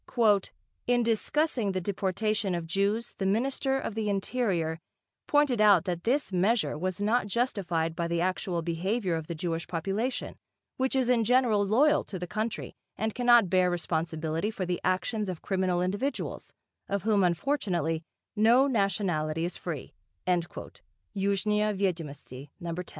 "In discussing the deportation of Jews the Minister of the Interior pointed out that this measure was not justified by the actual behaviour of the Jewish population, which is in general loyal to the country and cannot bear responsibility for the actions of criminal individuals, of whom unfortunately no nationality is free" (Yuzhnyia Vyedomosti, No 10).